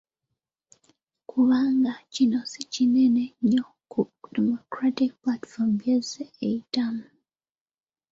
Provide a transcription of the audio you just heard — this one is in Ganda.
Kubanga kino si kinene nnyo ku Democratic Platform by'ezze eyitamu.